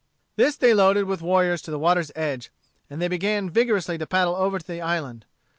This they loaded with warriors to the water's edge, and they began vigorously to paddle over to the island.